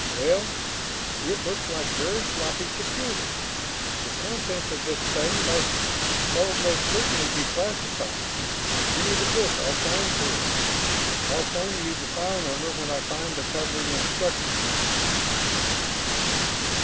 "Well it looks like very sloppy security. The contents of this thing must almost certainly be classified. Give me the book and I'll sign for it. I'll phone you the file number when I find the covering instructions."